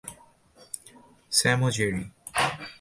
Sam, ও Jerry.